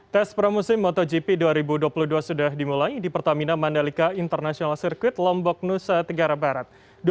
tes pramusim motogp dua ribu dua puluh dua sudah dimulai di pertamina mandalika international circuit lombok nusa tenggara barat